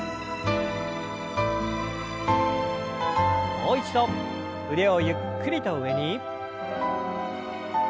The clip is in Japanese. もう一度腕をゆっくりと上に。